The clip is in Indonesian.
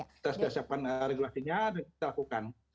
jadi kita sudah melakukan regulasinya dan kita lakukan